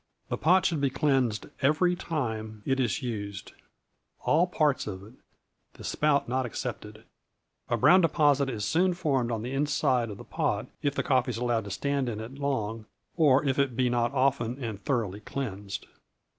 The pot should be cleansed every time it is used all parts of it, the spout not excepted. A brown deposit is soon formed on the inside of the pot if the coffee be allowed to stand in it long, or if it be not often and thoroughly cleansed.